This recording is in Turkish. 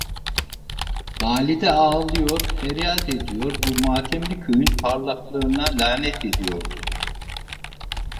Valide ağlıyor, feryat ediyor, bu matemli köyün parlaklığına lanet ediyordu.